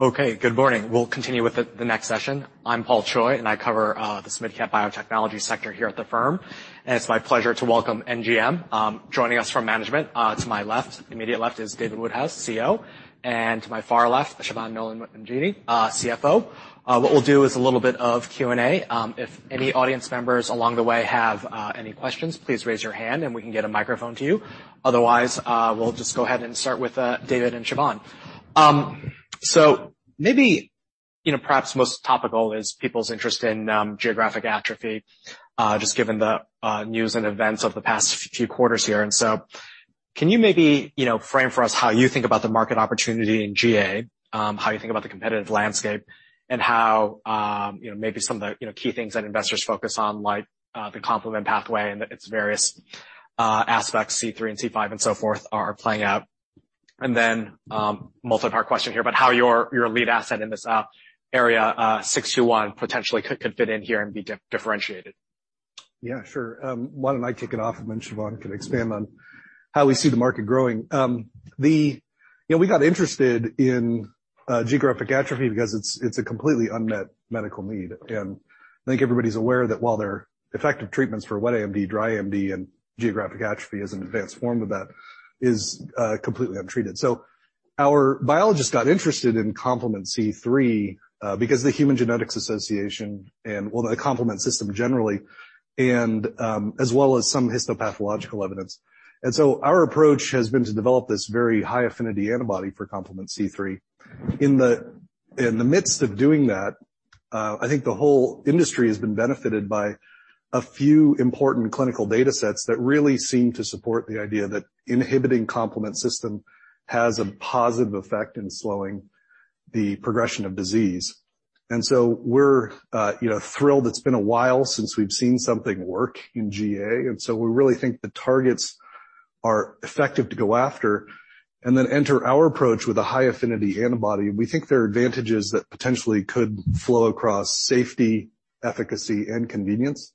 Okay, good morning. We'll continue with the next session. I'm Paul Choi, and I cover this midcap biotechnology sector here at the firm, and it's my pleasure to welcome NGM. Joining us from management, to my left, immediate left is David Woodhouse, CEO, and to my far left, Siobhan Nolan Mangini, CFO. What we'll do is a little bit of Q&A. If any audience members along the way have any questions, please raise your hand and we can get a microphone to you. Otherwise, we'll just go ahead and start with David and Siobhan. So maybe, you know, perhaps most topical is people's interest in Geographic Atrophy, just given the news and events of the past few quarters here. Can you maybe, you know, frame for us how you think about the market opportunity in GA, how you think about the competitive landscape and how, you know, maybe some of the, you know, key things that investors focus on like, the complement pathway and its various, aspects, C3 and C5 and so forth are playing out? Multi-part question here, but how your lead asset in this area, 621 potentially could fit in here and be differentiated? Yeah, sure. Why don't I kick it off, and then Siobhan can expand on how we see the market growing. You know, we got interested in Geographic Atrophy because it's a completely unmet medical need. I think everybody's aware that while there are effective treatments for wet AMD, dry AMD and Geographic Atrophy as an advanced form of that is completely untreated. Our biologists got interested in complement C3 because the genome-wide association studies and the complement system generally, as well as some histopathological evidence. Our approach has been to develop this very high affinity antibody for complement C3. In the midst of doing that, I think the whole industry has been benefited by a few important clinical data sets that really seem to support the idea that inhibiting complement system has a positive effect in slowing the progression of disease. We're, you know, thrilled. It's been a while since we've seen something work in GA, and so we really think the targets are effective to go after. Enter our approach with a high affinity antibody. We think there are advantages that potentially could flow across safety, efficacy and convenience,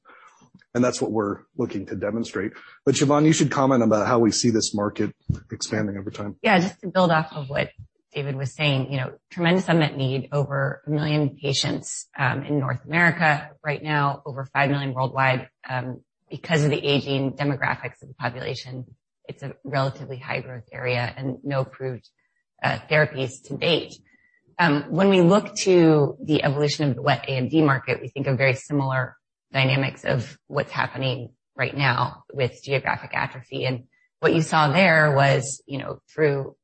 and that's what we're looking to demonstrate. Siobhan, you should comment about how we see this market expanding over time. Yeah. Just to build off of what David was saying, you know, tremendous unmet need. Over 1 million patients in North America right now, over 5 million worldwide. Because of the aging demographics of the population, it's a relatively high growth area and no approved therapies to date. When we look to the evolution of the wet AMD market, we think of very similar dynamics of what's happening right now with Geographic Atrophy. What you saw there was, you know, through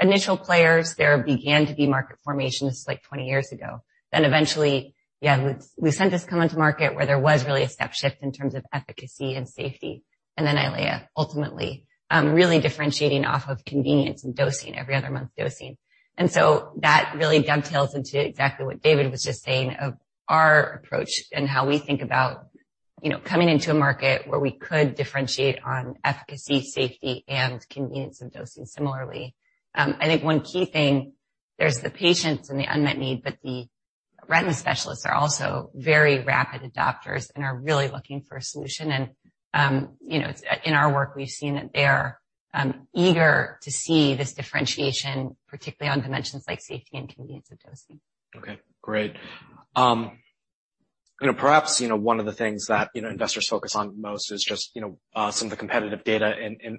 initial players, there began to be market formation. This is like 20 years ago. Then eventually, Lucentis come into market where there was really a step shift in terms of efficacy and safety. Then Eylea ultimately really differentiating off of convenience and dosing, every other month dosing. That really dovetails into exactly what David was just saying of our approach and how we think about, you know, coming into a market where we could differentiate on efficacy, safety and convenience of dosing similarly. I think one key thing, there's the patients and the unmet need, but the retina specialists are also very rapid adopters and are really looking for a solution. You know, in our work, we've seen that they are eager to see this differentiation, particularly on dimensions like safety and convenience of dosing. Okay, great. You know, perhaps, you know, one of the things that, you know, investors focus on most is just, you know, some of the competitive data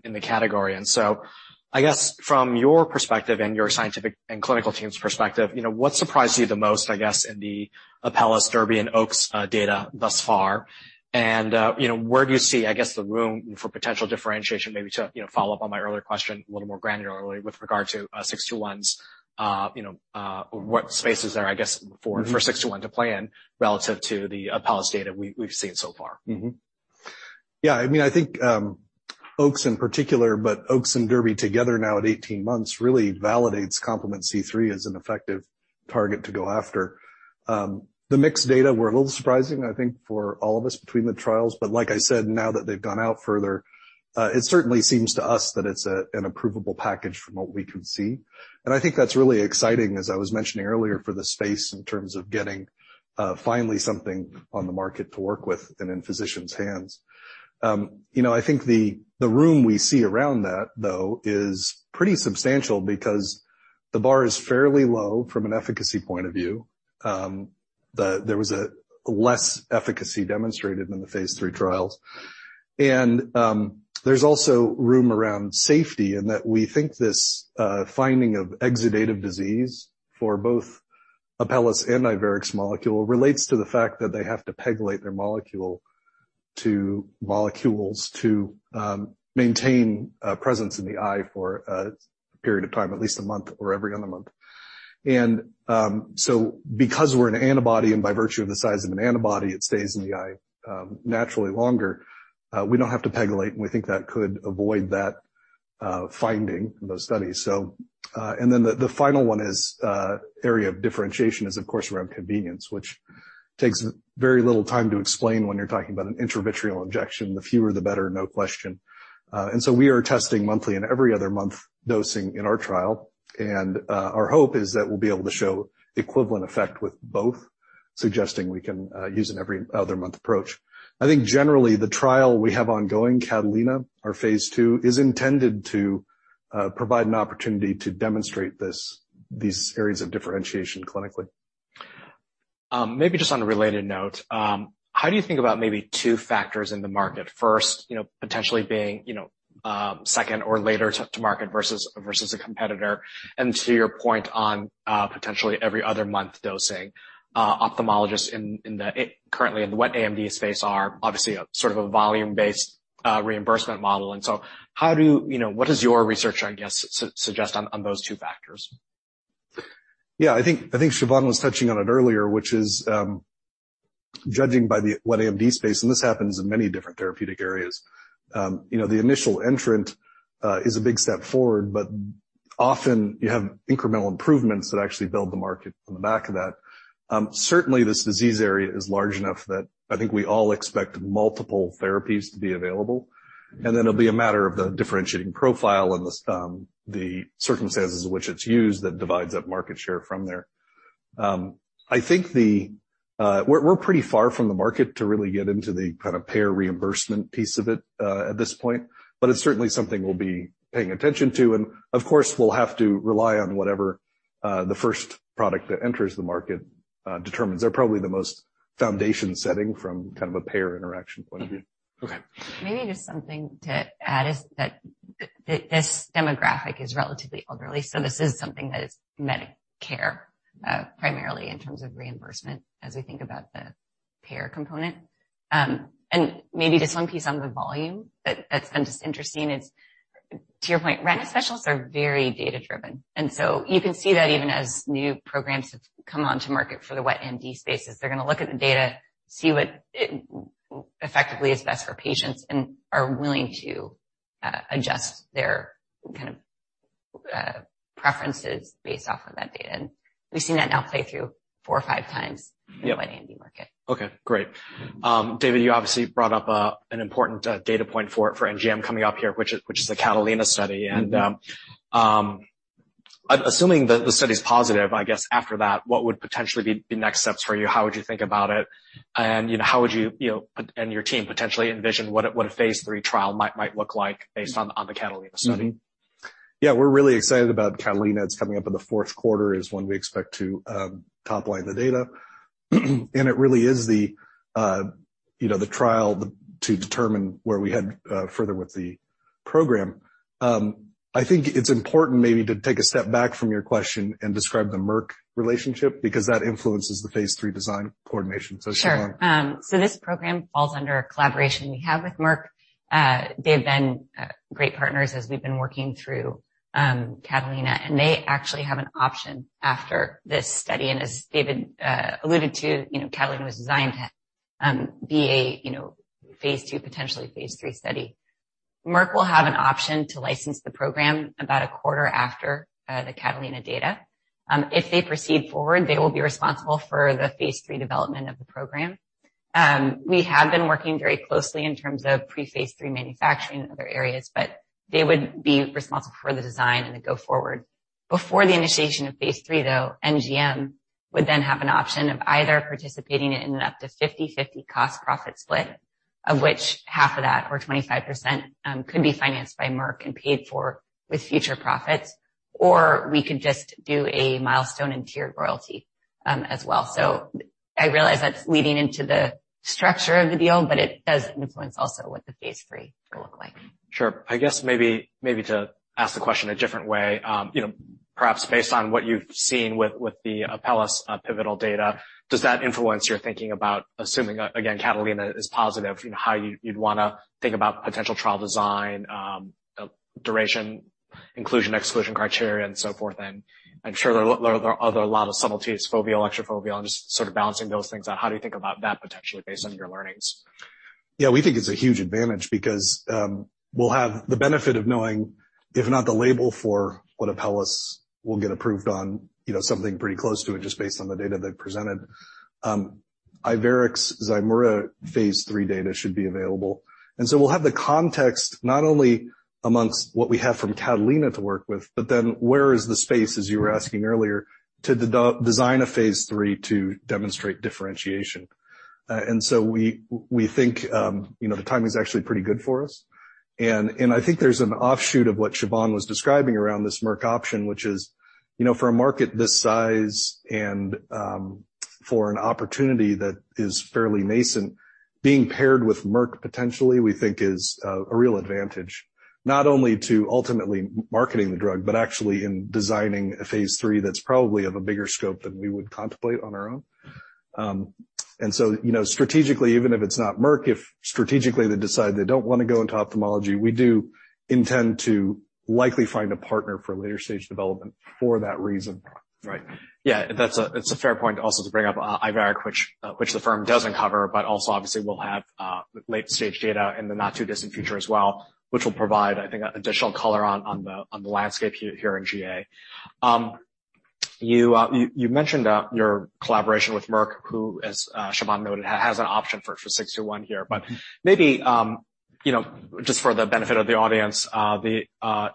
in the category. I guess from your perspective and your scientific and clinical team's perspective, you know, what surprised you the most, I guess, in the Apellis DERBY and OAKS data thus far? You know, where do you see, I guess, the room for potential differentiation, maybe to, you know, follow up on my earlier question a little more granularly with regard to 621's, you know, what space is there, I guess, for 621 to play in relative to the Apellis data we've seen so far? Yeah, I mean, I think, OAKS in particular, but OAKS and DERBY together now at 18 months really validates complement C3 as an effective target to go after. The mixed data were a little surprising, I think, for all of us between the trials, but like I said, now that they've gone out further, it certainly seems to us that it's an approvable package from what we can see. I think that's really exciting, as I was mentioning earlier, for the space in terms of getting finally something on the market to work with and in physicians' hands. You know, I think the room we see around that, though, is pretty substantial because the bar is fairly low from an efficacy point of view. There was less efficacy demonstrated in the phase 3 trials. There's also room around safety in that we think this finding of exudative disease for both Apellis and Iveric's molecule relates to the fact that they have to pegylate their molecules to maintain presence in the eye for a period of time, at least a month or every other month. Because we're an antibody and by virtue of the size of an antibody, it stays in the eye naturally longer, we don't have to pegylate, and we think that could avoid that finding in those studies. The final one is area of differentiation is of course around convenience, which takes very little time to explain when you're talking about an intravitreal injection. The fewer, the better, no question. We are testing monthly and every other month dosing in our trial. Our hope is that we'll be able to show equivalent effect with both, suggesting we can use an every other month approach. I think generally the trial we have ongoing, CATALINA, our phase II, is intended to provide an opportunity to demonstrate these areas of differentiation clinically. Maybe just on a related note, how do you think about maybe two factors in the market? First, you know, potentially being, you know, second or later to market versus a competitor. To your point on potentially every other month dosing, ophthalmologists currently in the wet AMD space are obviously a sort of a volume-based reimbursement model. What does your research, I guess, suggest on those two factors? Yeah, I think Siobhan was touching on it earlier, which is, judging by the wet AMD space, and this happens in many different therapeutic areas, you know, the initial entrant is a big step forward, but often you have incremental improvements that actually build the market on the back of that. Certainly this disease area is large enough that I think we all expect multiple therapies to be available, and then it'll be a matter of the differentiating profile and the circumstances in which it's used that divides up market share from there. We're pretty far from the market to really get into the kind of payer reimbursement piece of it at this point, but it's certainly something we'll be paying attention to. Of course, we'll have to rely on whatever the first product that enters the market determines. They're probably the most foundation setting from kind of a payer interaction point of view. Maybe just something to add is that this demographic is relatively elderly, so this is something that is Medicare primarily in terms of reimbursement as we think about the payer component. Maybe just one piece on the volume that's been just interesting is, to your point, retina specialists are very data-driven. You can see that even as new programs have come onto market for the wet AMD spaces, they're gonna look at the data, see what effectively is best for patients, and are willing to adjust their kind of preferences based off of that data. We've seen that now play through four or five times in the wet AMD market. Okay, great. David, you obviously brought up an important data point for NGM coming up here, which is the CATALINA study. Assuming the study's positive, I guess after that, what would potentially be next steps for you? How would you think about it? You know, how would you know, and your team potentially envision what a phase III trial might look like based on the Catalina study? Yeah, we're really excited about CATALINA. It's coming up in the fourth quarter is when we expect to top line the data. It really is the, you know, the trial to determine where we head further with the program. I think it's important maybe to take a step back from your question and describe the Merck relationship because that influences the phase III design coordination. Siobhan. Sure. So this program falls under a collaboration we have with Merck. They've been great partners as we've been working through CATALINA, and they actually have an option after this study. As David alluded to, you know, CATALINA was designed to be a, you know, phase II, potentially phase III study. Merck will have an option to license the program about a quarter after the CATALINA data. If they proceed forward, they will be responsible for the phase III development of the program. We have been working very closely in terms of pre-phase III manufacturing and other areas, but they would be responsible for the design and the go forward. Before the initiation of phase III, though, NGM would then have an option of either participating in an up to 50/50 cost profit split, of which half of that or 25%, could be financed by Merck and paid for with future profits, or we could just do a milestone and tiered royalty, as well. I realize that's leading into the structure of the deal, but it does influence also what the phase III will look like. Sure. I guess maybe to ask the question a different way, you know, perhaps based on what you've seen with the Apellis pivotal data, does that influence your thinking about assuming, again, Catalina is positive, you know, how you'd wanna think about potential trial design, duration, inclusion, exclusion criteria, and so forth? I'm sure there are a lot of subtleties, foveal, extrafoveal, and just sort of balancing those things out. How do you think about that potentially based on your learnings? Yeah, we think it's a huge advantage because we'll have the benefit of knowing if not the label for what Apellis will get approved on, you know, something pretty close to it just based on the data they've presented. Iveric's Zimura phase three data should be available. We'll have the context not only amongst what we have from Catalina to work with, but then where is the space, as you were asking earlier, to design a phase III to demonstrate differentiation. We think, you know, the timing's actually pretty good for us. I think there's an offshoot of what Siobhan was describing around this Merck option, which is, you know, for a market this size and for an opportunity that is fairly nascent, being paired with Merck potentially, we think is a real advantage. Not only to ultimately marketing the drug, but actually in designing a phase III that's probably of a bigger scope than we would contemplate on our own. You know, strategically, even if it's not Merck, if strategically they decide they don't want to go into ophthalmology, we do intend to likely find a partner for later stage development for that reason. Right. Yeah, that's a fair point also to bring up Iveric, which the firm doesn't cover, but also obviously will have late-stage data in the not too distant future as well, which will provide, I think, additional color on the landscape here in GA. You mentioned your collaboration with Merck, who, as Siobhan noted, has an option for NGM621 here. Maybe, you know, just for the benefit of the audience,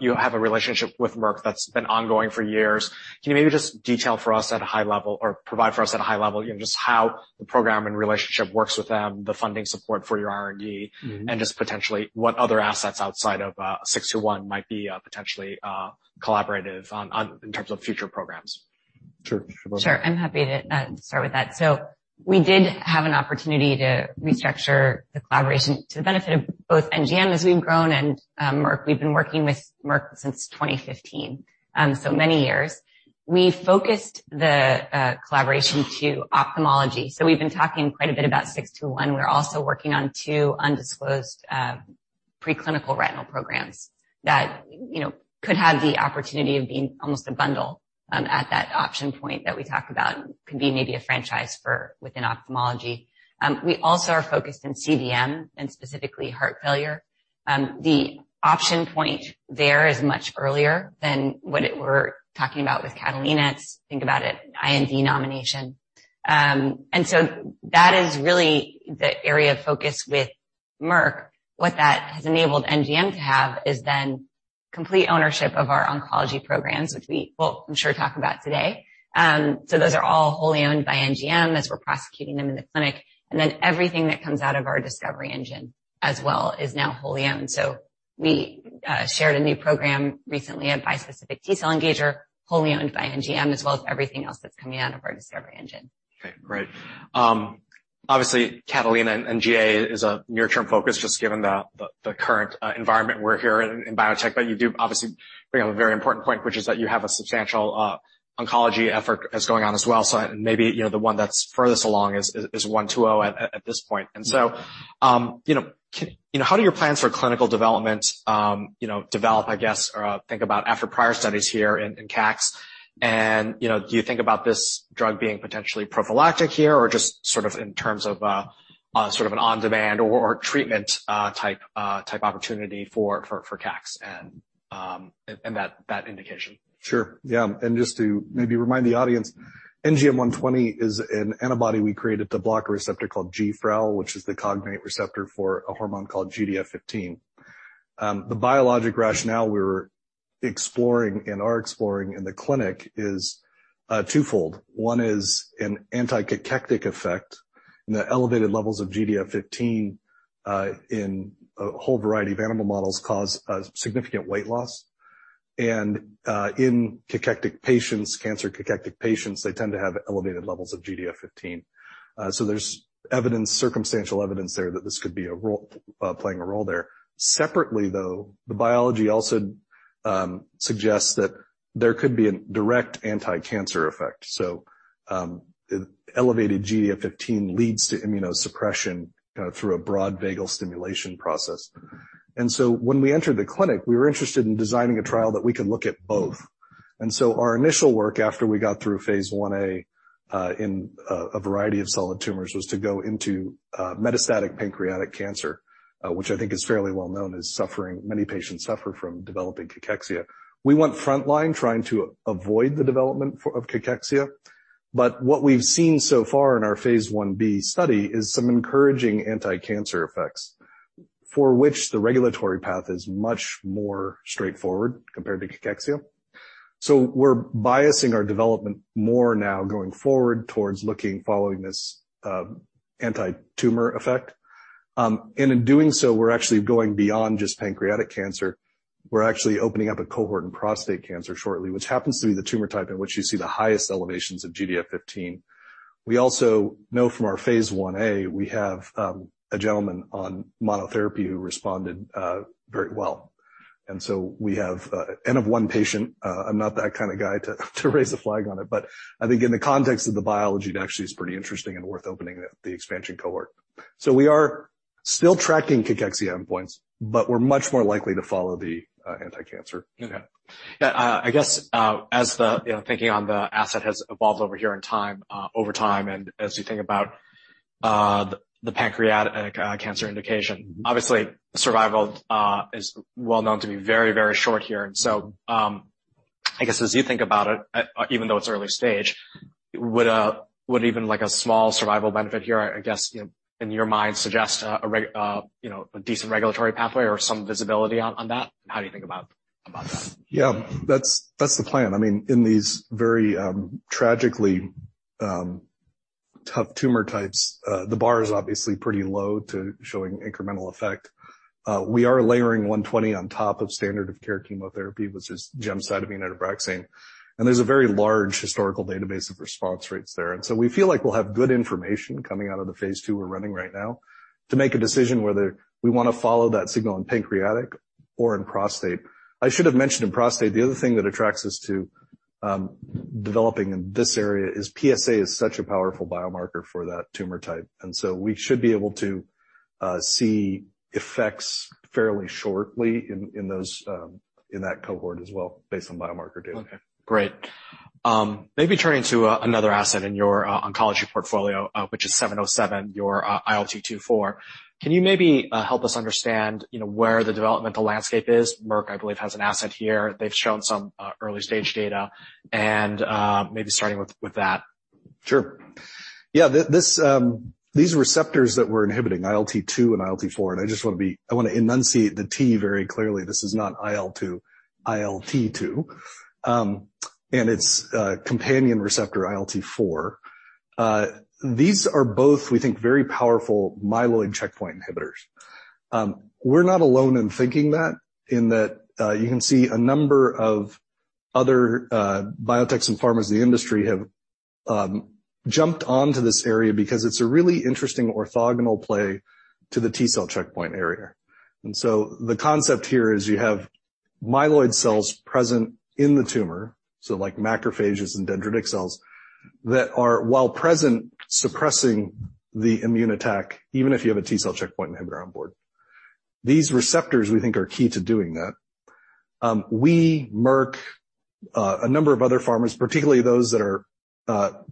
you have a relationship with Merck that's been ongoing for years. Can you maybe just detail for us at a high level or provide for us at a high level, you know, just how the program and relationship works with them, the funding support for your R&D? Just potentially what other assets outside of NGM621 might be potentially collaborative on in terms of future programs? Sure. Sure, I'm happy to start with that. We did have an opportunity to restructure the collaboration to the benefit of both NGM as we've grown and Merck. We've been working with Merck since 2015, so many years. We focused the collaboration to ophthalmology. We've been talking quite a bit about 621. We're also working on two undisclosed preclinical retinal programs that, you know, could have the opportunity of being almost a bundle at that option point that we talked about. Could be maybe a franchise within ophthalmology. We also are focused in CVM and specifically heart failure. The option point there is much earlier than what we're talking about with CATALINA. Think about it, IND nomination. That is really the area of focus with Merck. What that has enabled NGM to have is then complete ownership of our oncology programs, which we will, I'm sure, talk about today. Those are all wholly owned by NGM as we're prosecuting them in the clinic. Everything that comes out of our discovery engine as well is now wholly owned. We shared a new program recently, a bispecific T-cell engager, wholly owned by NGM, as well as everything else that's coming out of our discovery engine. Okay, great. Obviously CATALINA and NGM is a near-term focus, just given the current environment we're here in biotech. You do obviously bring up a very important point, which is that you have a substantial oncology effort that's going on as well. Maybe, you know, the one that's furthest along is 120 at this point. How do your plans for clinical development, you know, develop, I guess, or think about after prior studies here in cachexia? You know, do you think about this drug being potentially prophylactic here or just sort of in terms of sort of an on-demand or treatment type opportunity for cachexia and that indication? Sure. Yeah. Just to maybe remind the audience, NGM120 is an antibody we created to block a receptor called GFRAL, which is the cognate receptor for a hormone called GDF15. The biologic rationale we're exploring in the clinic is twofold. One is an anti-cachectic effect, and the elevated levels of GDF15 in a whole variety of animal models cause significant weight loss. In cachectic patients, cancer cachectic patients, they tend to have elevated levels of GDF15. There's evidence, circumstantial evidence there that this could be playing a role there. Separately, though, the biology also suggests that there could be a direct anti-cancer effect. Elevated GDF15 leads to immunosuppression through a broad vagal stimulation process. When we entered the clinic, we were interested in designing a trial that we could look at both. Our initial work after we got through phase 1a in a variety of solid tumors was to go into metastatic pancreatic cancer, which I think is fairly well known as many patients suffer from developing cachexia. We went frontline trying to avoid the development of cachexia. What we've seen so far in our phase 1b study is some encouraging anti-cancer effects, for which the regulatory path is much more straightforward compared to cachexia. We're biasing our development more now going forward towards looking following this anti-tumor effect. In doing so, we're actually going beyond just pancreatic cancer. We're actually opening up a cohort in prostate cancer shortly, which happens to be the tumor type in which you see the highest elevations of GDF15. We also know from our phase 1a, we have a gentleman on monotherapy who responded very well. We have N of 1 patient. I'm not that kind of guy to raise a flag on it, but I think in the context of the biology, it actually is pretty interesting and worth opening the expansion cohort. We are still tracking cachexia endpoints, but we're much more likely to follow the anti-cancer. Okay. Yeah, I guess, as you know, the thinking on the asset has evolved over time, and as you think about the pancreatic cancer indication. Obviously, survival is well known to be very, very short here. I guess as you think about it, even though it's early stage, would even a small survival benefit here, I guess, you know, in your mind suggest a decent regulatory pathway or some visibility on that? How do you think about that? Yeah, that's the plan. I mean, in these very, tragically, tough tumor types, the bar is obviously pretty low to showing incremental effect. We are layering NGM120 on top of standard of care chemotherapy, which is gemcitabine and nab-paclitaxel. There's a very large historical database of response rates there. We feel like we'll have good information coming out of the phase II we're running right now to make a decision whether we wanna follow that signal in pancreatic or in prostate. I should have mentioned in prostate, the other thing that attracts us to developing in this area is PSA is such a powerful biomarker for that tumor type. We should be able to see effects fairly shortly in that cohort as well based on biomarker data. Okay, great. Maybe turning to another asset in your oncology portfolio, which is 707, your ILT2/4. Can you maybe help us understand, you know, where the developmental landscape is? Merck, I believe, has an asset here. They've shown some early-stage data, and maybe starting with that. Sure. Yeah. These receptors that we're inhibiting, ILT2 and ILT4, and I just wanna enunciate the T very clearly. This is not IL-2, ILT2. And it's companion receptor, ILT4. These are both, we think, very powerful myeloid checkpoint inhibitors. We're not alone in thinking that, in that, you can see a number of other biotechs and pharmas in the industry have jumped on to this area because it's a really interesting orthogonal play to the T-cell checkpoint area. The concept here is you have myeloid cells present in the tumor, so like macrophages and dendritic cells, that are, while present, suppressing the immune attack, even if you have a T-cell checkpoint inhibitor on board. These receptors, we think, are key to doing that. We, Merck, a number of other pharmas, particularly those that are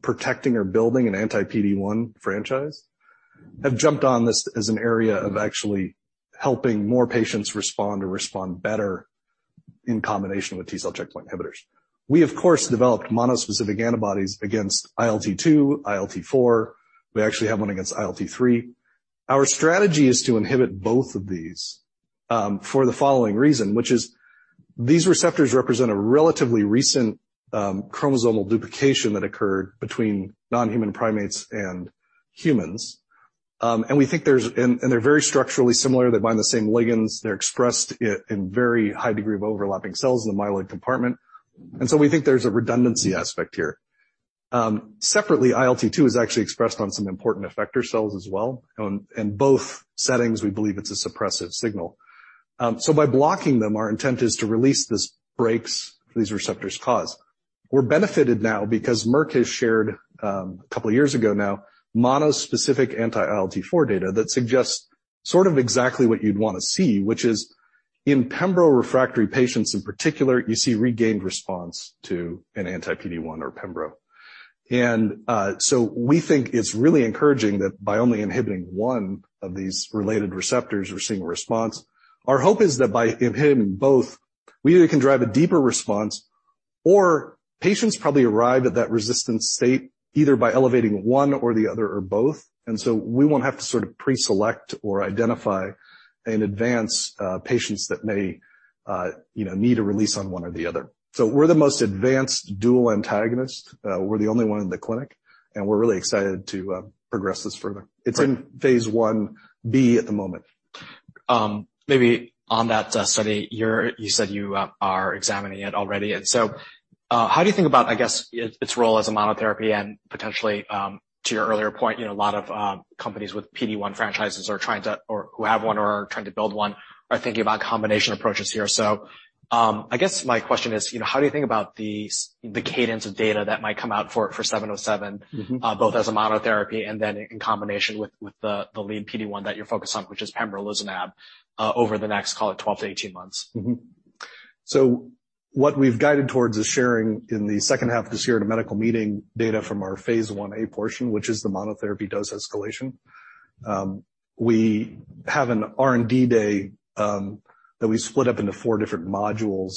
protecting or building an anti-PD-1 franchise, have jumped on this as an area of actually helping more patients respond or respond better in combination with T-cell checkpoint inhibitors. We, of course, developed mono-specific antibodies against ILT-2, ILT-4. We actually have one against ILT-3. Our strategy is to inhibit both of these for the following reason, which is these receptors represent a relatively recent chromosomal duplication that occurred between non-human primates and humans. And we think and they're very structurally similar. They bind the same ligands. They're expressed in very high degree of overlapping cells in the myeloid compartment. We think there's a redundancy aspect here. Separately, ILT2 is actually expressed on some important effector cells as well. In both settings, we believe it's a suppressive signal. By blocking them, our intent is to release the brakes these receptors cause. We're benefiting now because Merck has shared a couple of years ago now, monospecific anti-ILT4 data that suggests sort of exactly what you'd wanna see, which is in pembro-refractory patients in particular, you see regained response to an anti-PD-1 or pembro. We think it's really encouraging that by only inhibiting one of these related receptors, we're seeing a response. Our hope is that by inhibiting both, we either can drive a deeper response or patients probably arrive at that resistant state either by elevating one or the other or both. We won't have to sort of pre-select or identify in advance patients that may need a release on one or the other. We're the most advanced dual antagonist, we're the only one in the clinic, and we're really excited to progress this further. It's in phase 1b at the moment. Maybe on that study, you said you are examining it already. How do you think about, I guess, its role as a monotherapy and potentially, to your earlier point, you know, a lot of companies with PD-1 franchises are trying to or who have one or are trying to build one, are thinking about combination approaches here. I guess my question is, you know, how do you think about the cadence of data that might come out for 707. Both as a monotherapy and then in combination with the lead PD-1 that you're focused on, which is pembrolizumab, over the next, call it 12-18 months? What we've guided towards is sharing in the second half of this year at a medical meeting data from our phase 1a portion, which is the monotherapy dose escalation. We have an R&D day that we split up into four different modules.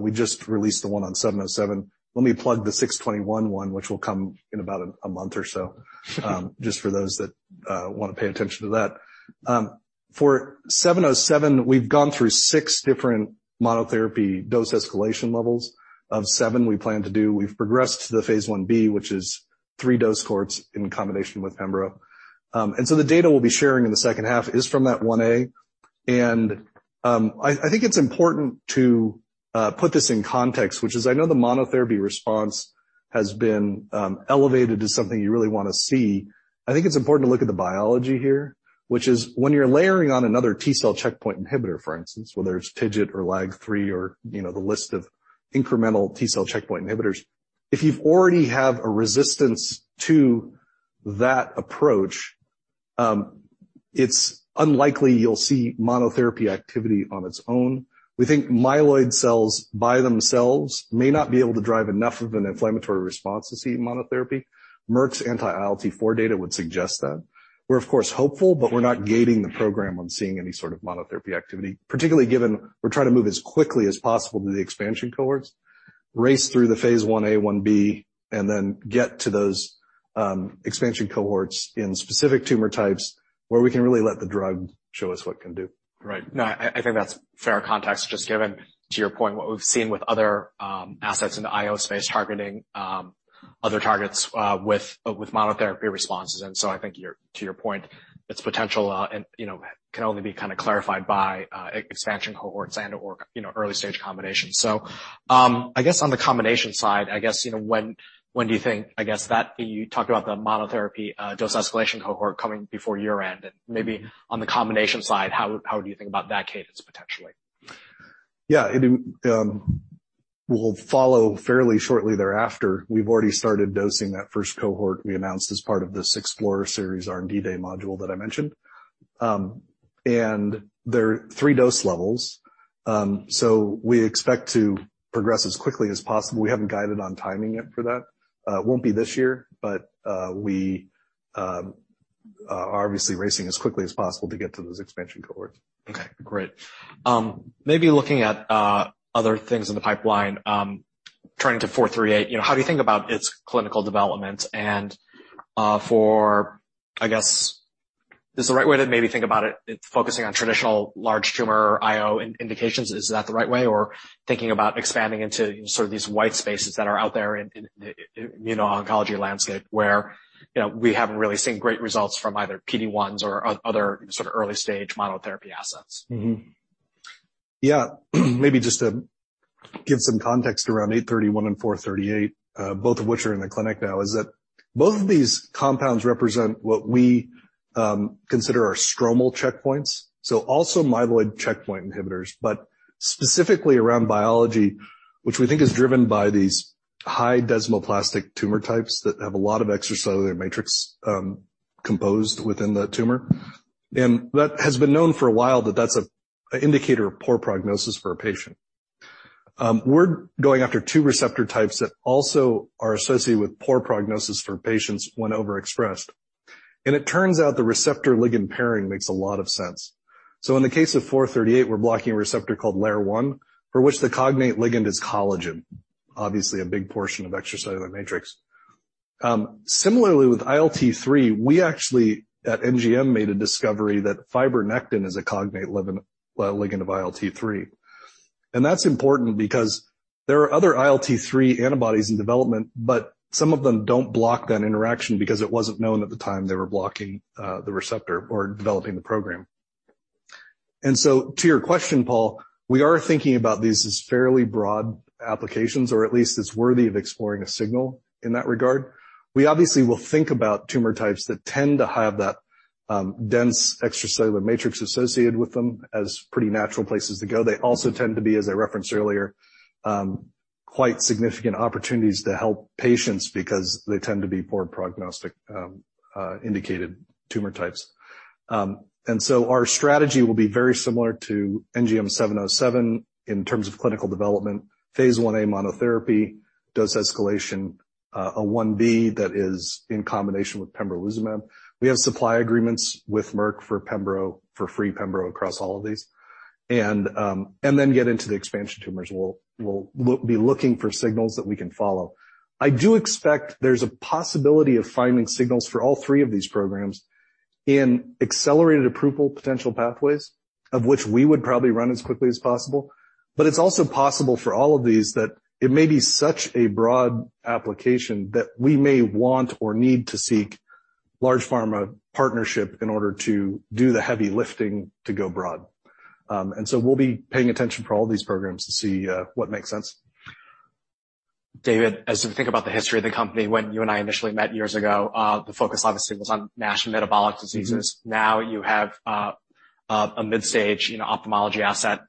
We just released the one on NGM707. Let me plug the NGM621 one, which will come in about a month or so, just for those that wanna pay attention to that. For NGM707, we've gone through six different monotherapy dose escalation levels of seven we plan to do. We've progressed to the phase 1b, which is three dose cohorts in combination with pembro. The data we'll be sharing in the second half is from that 1a. I think it's important to put this in context, which is I know the monotherapy response has been elevated to something you really wanna see. I think it's important to look at the biology here, which is when you're layering on another T-cell checkpoint inhibitor, for instance, whether it's TIGIT or LAG-3 or, you know, the list of incremental T-cell checkpoint inhibitors. If you've already have a resistance to that approach, it's unlikely you'll see monotherapy activity on its own. We think myeloid cells by themselves may not be able to drive enough of an inflammatory response to see monotherapy. Merck's anti-ILT4 data would suggest that. We're, of course, hopeful, but we're not gating the program on seeing any sort of monotherapy activity, particularly given we're trying to move as quickly as possible to the expansion cohorts, race through the phase 1a, 1b, and then get to those, expansion cohorts in specific tumor types where we can really let the drug show us what it can do. Right. No, I think that's fair context just given to your point, what we've seen with other assets in the IO space targeting other targets with monotherapy responses. I think to your point, its potential and you know, can only be kinda clarified by expansion cohorts and/or you know, early-stage combinations. I guess on the combination side, I guess you know, when do you think I guess that you talked about the monotherapy dose escalation cohort coming before year-end, and maybe on the combination side, how do you think about that cadence, potentially? Yeah. It will follow fairly shortly thereafter. We've already started dosing that first cohort we announced as part of this Explorer Series R&D Day module that I mentioned. There are three dose levels, so we expect to progress as quickly as possible. We haven't guided on timing yet for that. It won't be this year, but we are obviously racing as quickly as possible to get to those expansion cohorts. Okay, great. Maybe looking at other things in the pipeline, turning to NGM438, you know, how do you think about its clinical development? Or, I guess, is the right way to maybe think about it focusing on traditional large tumor IO indications, is that the right way? Or thinking about expanding into sort of these white spaces that are out there in the immuno-oncology landscape where, you know, we haven't really seen great results from either PD-1s or other sort of early-stage monotherapy assets. Yeah. Maybe just to give some context around NGM831 and NGM438, both of which are in the clinic now. Both of these compounds represent what we consider our stromal checkpoints. Also myeloid checkpoint inhibitors, but specifically around biology, which we think is driven by these high desmoplastic tumor types that have a lot of extracellular matrix composed within the tumor. That has been known for a while that that's an indicator of poor prognosis for a patient. We're going after two receptor types that also are associated with poor prognosis for patients when overexpressed. It turns out the receptor ligand pairing makes a lot of sense. In the case of NGM438, we're blocking a receptor called LAIR1, for which the cognate ligand is collagen. Obviously, a big portion of extracellular matrix. Similarly with ILT3, we actually at NGM made a discovery that fibronectin is a cognate ligand of ILT3. That's important because there are other ILT3 antibodies in development, but some of them don't block that interaction because it wasn't known at the time they were blocking the receptor or developing the program. To your question, Paul, we are thinking about these as fairly broad applications, or at least it's worthy of exploring a signal in that regard. We obviously will think about tumor types that tend to have that dense extracellular matrix associated with them as pretty natural places to go. They also tend to be, as I referenced earlier, quite significant opportunities to help patients because they tend to be poor prognostic indicated tumor types. Our strategy will be very similar to NGM-707 in terms of clinical development. Phase 1a monotherapy dose escalation, a 1b that is in combination with pembrolizumab. We have supply agreements with Merck for free pembro across all of these. Get into the expansion tumors. We'll be looking for signals that we can follow. I do expect there's a possibility of finding signals for all three of these programs in accelerated approval potential pathways, of which we would probably run as quickly as possible. It's also possible for all of these that it may be such a broad application that we may want or need to seek large pharma partnership in order to do the heavy lifting to go broad. We'll be paying attention for all these programs to see what makes sense. David, as we think about the history of the company, when you and I initially met years ago, the focus obviously was on NASH metabolic diseases. Now you have a mid-stage, you know, ophthalmology asset,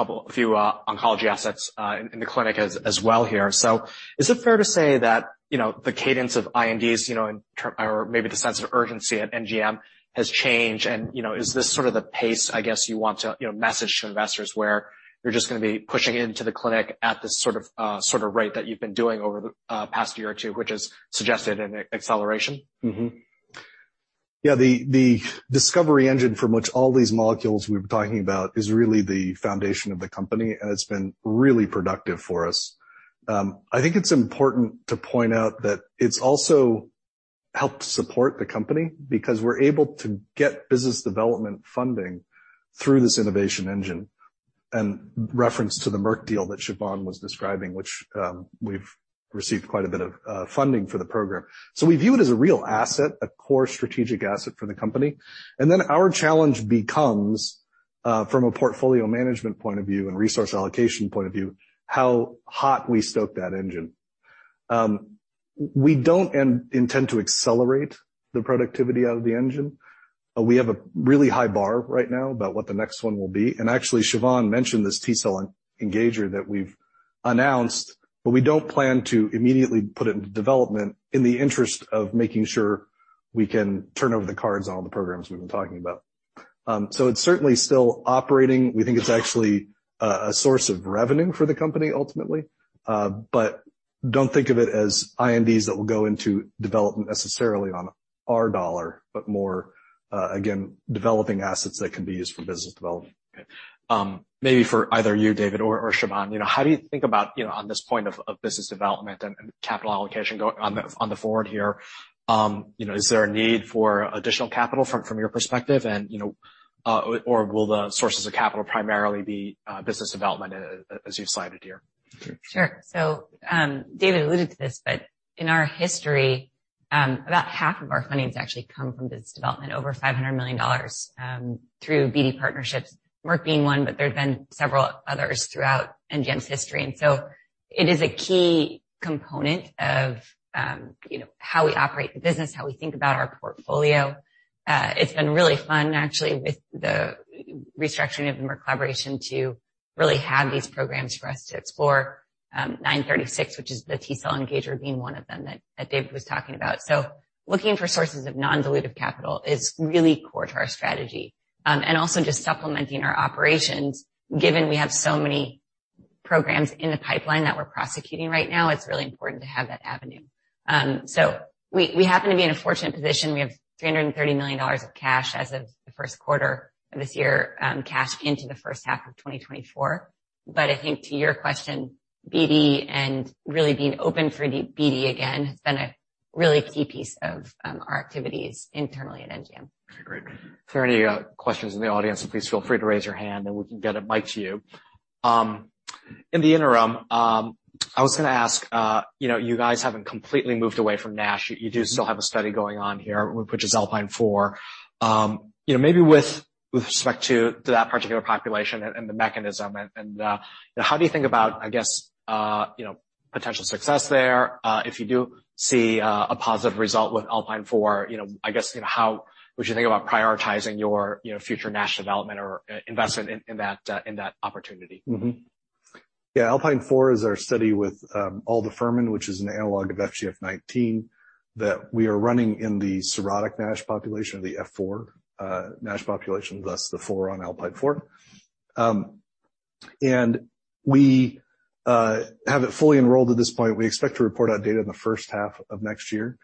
a few oncology assets in the clinic as well here. Is it fair to say that, you know, the cadence of INDs, you know, or maybe the sense of urgency at NGM has changed? You know, is this sort of the pace, I guess, you want to, you know, message to investors where you're just gonna be pushing into the clinic at this sort of sort of rate that you've been doing over the past year or two, which is suggested an acceleration? Yeah, the discovery engine from which all these molecules we've been talking about is really the foundation of the company, and it's been really productive for us. I think it's important to point out that it's also helped support the company because we're able to get business development funding through this innovation engine. In reference to the Merck deal that Siobhan was describing, which, we've received quite a bit of funding for the program. We view it as a real asset, a core strategic asset for the company. Our challenge becomes, from a portfolio management point of view and resource allocation point of view, how hot we stoke that engine. We don't intend to accelerate the productivity out of the engine. We have a really high bar right now about what the next one will be. Actually, Siobhan mentioned this T-cell engager that we've announced, but we don't plan to immediately put it into development in the interest of making sure we can turn over the cards on all the programs we've been talking about. It's certainly still operating. We think it's actually a source of revenue for the company ultimately. Don't think of it as INDs that will go into development necessarily on our dollar, but more again, developing assets that can be used for business development. Okay. Maybe for either you, David or Siobhan. You know, how do you think about, you know, on this point of business development and capital allocation going forward here, you know, is there a need for additional capital from your perspective? You know, or will the sources of capital primarily be business development as you've cited here? Sure. Sure. David alluded to this, but in our history, about half of our funding has actually come from business development, over $500 million, through BD partnerships, Merck being one, but there have been several others throughout NGM's history. It is a key component of, you know, how we operate the business, how we think about our portfolio. It's been really fun actually with the restructuring of the Merck collaboration to really have these programs for us to explore, NGM936, which is the T-cell engager being one of them that David was talking about. Looking for sources of non-dilutive capital is really core to our strategy. Also just supplementing our operations, given we have so many programs in the pipeline that we're prosecuting right now, it's really important to have that avenue. We happen to be in a fortunate position. We have $330 million of cash as of the first quarter of this year, cash into the first half of 2024. I think to your question, BD and really being open for the BD, again, has been a really key piece of, our activities internally at NGM. Okay, great. If there are any questions in the audience, please feel free to raise your hand and we can get a mic to you. In the interim, I was gonna ask, you know, you guys haven't completely moved away from NASH. You do still have a study going on here, which is ALPINE 4. You know, maybe with respect to that particular population and the mechanism and how do you think about, I guess, you know, potential success there, if you do see a positive result with ALPINE 4, you know, I guess, you know, how would you think about prioritizing your, you know, future NASH development or investment in that opportunity? Yeah, ALPINE 4 is our study with aldafermin, which is an analog of FGF19 that we are running in the cirrhotic NASH population or the F4 NASH population, thus the 4 on ALPINE 4. We have it fully enrolled at this point. We expect to report out data in the first half of next year.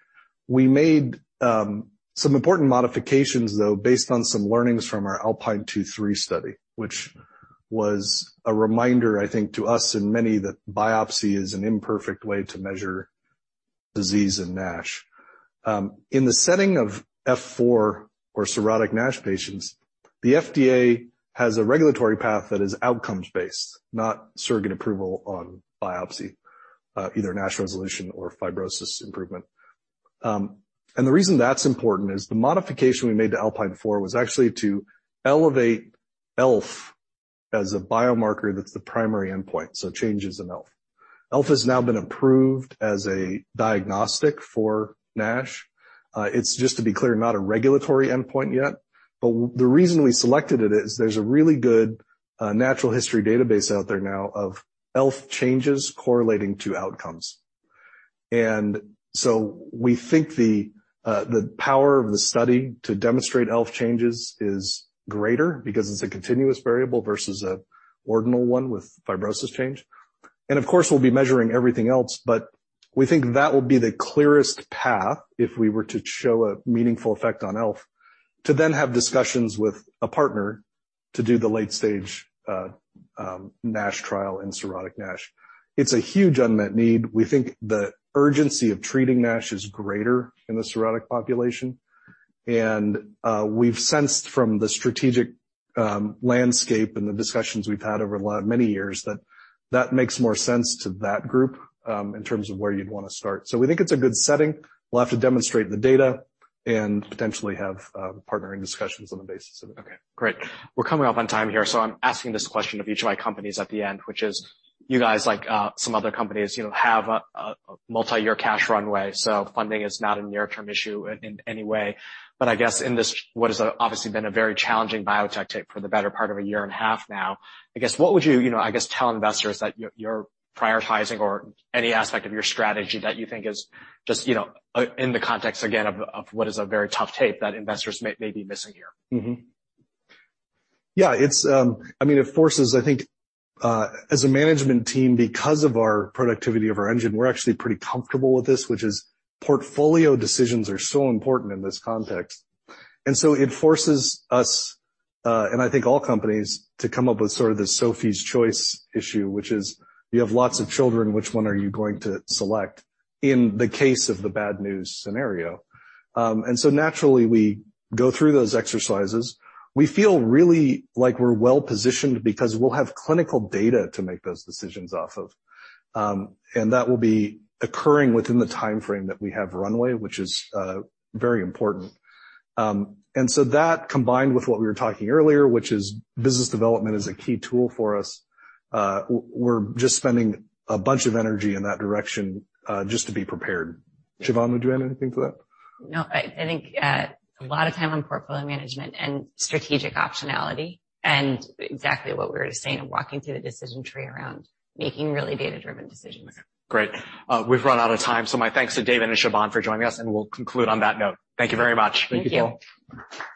We made some important modifications though based on some learnings from our ALPINE 2/3 study, which was a reminder, I think to us and many that biopsy is an imperfect way to measure disease in NASH. In the setting of F4 or cirrhotic NASH patients, the FDA has a regulatory path that is outcomes-based, not surrogate approval on biopsy, either NASH resolution or fibrosis improvement. The reason that's important is the modification we made to ALPINE 4 was actually to elevate ELF as a biomarker that's the primary endpoint, so changes in ELF. ELF has now been approved as a diagnostic for NASH. It's just to be clear, not a regulatory endpoint yet, but the reason we selected it is there's a really good natural history database out there now of ELF changes correlating to outcomes. We think the power of the study to demonstrate ELF changes is greater because it's a continuous variable versus an ordinal one with fibrosis change. Of course we'll be measuring everything else, but we think that will be the clearest path if we were to show a meaningful effect on ELF to then have discussions with a partner to do the late stage NASH trial in cirrhotic NASH. It's a huge unmet need. We think the urgency of treating NASH is greater in the cirrhotic population. We've sensed from the strategic landscape and the discussions we've had over the last many years that that makes more sense to that group in terms of where you'd wanna start. We think it's a good setting. We'll have to demonstrate the data and potentially have partnering discussions on the basis of it. Okay, great. We're coming up on time here, so I'm asking this question of each of my companies at the end, which is you guys like some other companies, you know, have a multi-year cash runway, so funding is not a near-term issue in any way. But I guess in this, what has obviously been a very challenging biotech tape for the better part of a year and a half now, I guess what would you know, tell investors that you're prioritizing or any aspect of your strategy that you think is just, you know, in the context again of what is a very tough tape that investors may be missing here? Yeah, it's, I mean it forces, I think, as a management team because of our productivity of our engine, we're actually pretty comfortable with this which is portfolio decisions are so important in this context. It forces us, and I think all companies to come up with sort of the Sophie's Choice issue which is you have lots of children which one are you going to select in the case of the bad news scenario. Naturally we go through those exercises. We feel really like we're well-positioned because we'll have clinical data to make those decisions off of. That will be occurring within the timeframe that we have runway which is, very important. That combined with what we were talking earlier which is business development is a key tool for us. We're just spending a bunch of energy in that direction, just to be prepared. Siobhan, would you add anything to that? No. I think a lot of time on portfolio management and strategic optionality and exactly what we were just saying, walking through the decision tree around making really data-driven decisions. Great. We've run out of time so my thanks to David and Siobhan for joining us and we'll conclude on that note. Thank you very much. Thank you. Thank you.